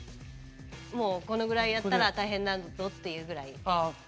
もうこのぐらいやったら大変だぞっていうぐらい。